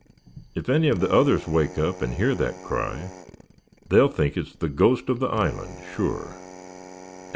If any of the others wake up and hear that cry, they'll think it's the ghost of the island, sure."